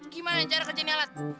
gimana cara kerjaan ini alat